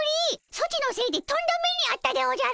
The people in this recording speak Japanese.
ソチのせいでとんだ目にあったでおじゃる！